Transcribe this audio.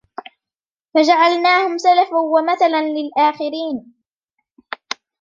فجعلناهم سلفا ومثلا للآخرين